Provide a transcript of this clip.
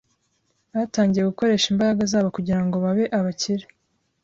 Batangiye gukoresha imbaraga zabo kugirango babe abakire.